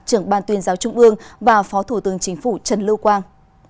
trưởng ban tuyên giáo trung ương và phó thủ tướng chính phủ trần lưu quang